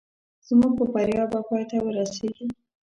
زموږ په بریا به پای ته ورسېږي